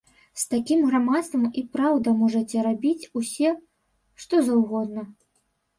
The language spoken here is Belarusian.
З такім грамадствам і праўда можаце рабіць усе, што заўгодна.